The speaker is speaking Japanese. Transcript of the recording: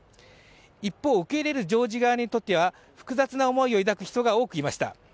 一方、受け入れるジョージア側にとっては複雑な思いを抱く方が多くいました。